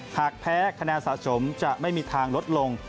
หากแพ้คะแนนสะสมจะไม่มีทางลดลง